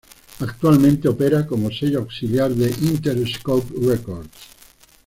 Actualmente opera como sello auxiliar de Interscope Records.